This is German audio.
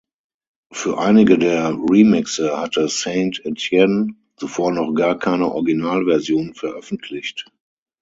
Für einige der Remixe hatte Saint Etienne zuvor noch gar keine Original-Version veröffentlicht.